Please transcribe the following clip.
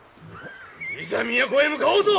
いざ都へ向かおうぞ！